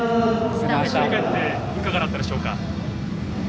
振り返っていかがだったでしょうか。